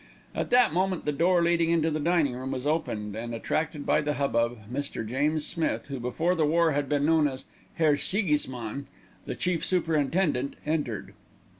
At that moment the door leading into the dining room was opened and, attracted by the hubbub, Mr. James Smith, who before the war had been known as Herr Siegesmann, the chief superintendent, entered.